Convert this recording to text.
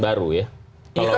karena kita adalah negara hukum